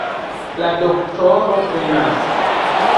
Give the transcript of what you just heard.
La doktoro venas!